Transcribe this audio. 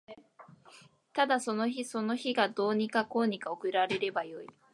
ただその日その日がどうにかこうにか送られればよい